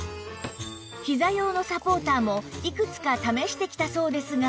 ひざ用のサポーターもいくつか試してきたそうですが